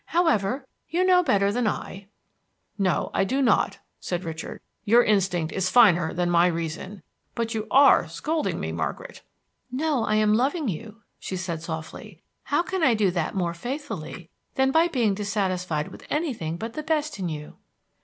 However, you know better than I." "No, I do not," said Richard. "Your instinct is finer than my reason. But you are scolding me, Margaret." "No, I am loving you," she said softly. "How can I do that more faithfully than by being dissatisfied with anything but the best in you?"